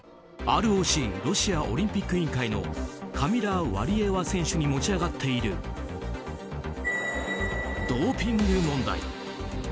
ＲＯＣ・ロシアオリンピック委員会のカミラ・ワリエワ選手に持ち上がっているドーピング問題。